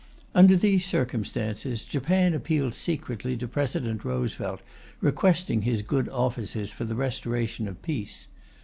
Under these circumstances, Japan appealed secretly to President Roosevelt requesting his good offices for the restoration of peace.